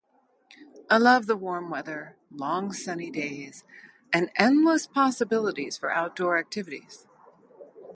I love the warm weather, long sunny days, and endless possibilities for outdoor activities.